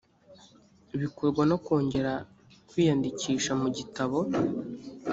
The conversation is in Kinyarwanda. bikorwa no kongera kwiyandikisha mu gitabo